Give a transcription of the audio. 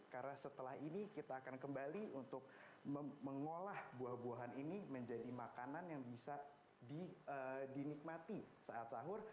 karena setelah ini kita akan kembali untuk mengolah buah buahan ini menjadi makanan yang bisa dinikmati saat sahur